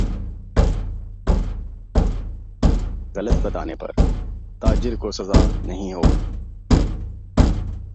خریداروں کا شناختی کارڈ نمبر غلط بتانے پر تاجر کو سزا نہیں ہوگی